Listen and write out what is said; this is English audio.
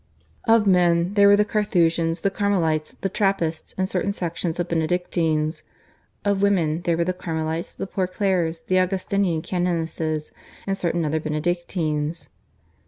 Of men, there were the Carthusians, the Carmelites, the Trappists, and certain sections of Benedictines; of women, there were the Carmelites, the Poor Clares, the Augustinian canonesses, and certain other Benedictines.